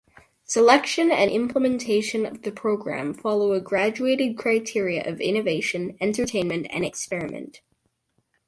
Selection and implementation of the program follow a graduated criteria of innovation, entertainment and experiment.